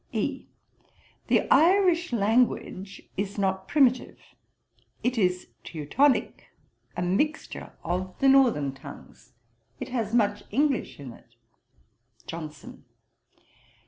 E. 'The Irish language is not primitive; it is Teutonick, a mixture of the northern tongues: it has much English in it.' JOHNSON.